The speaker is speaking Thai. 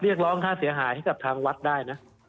เรียกร้องค่าเสียหายให้กับทางวัดได้นะ